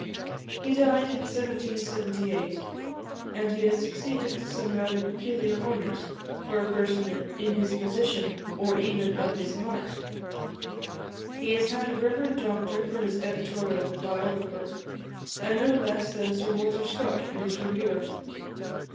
He died in 1778; and he has succeeded to some rather peculiar honours for a person in his position, or even of his mark. He has had a reverend doctor for his editorial biographer, and no less than Sir Walter Scott for his reviewer.